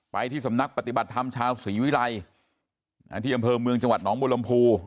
ที่สำนักปฏิบัติธรรมชาวศรีวิรัยที่อำเภอเมืองจังหวัดหนองบุรมภู